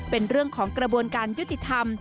เป็นเรื่องของกระบวนการยุติธรรม